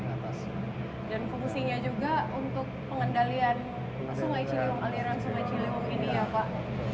dan fungsinya juga untuk pengendalian sungai ciliwung aliran sungai ciliwung ini ya pak